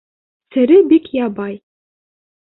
— Сере бик ябай.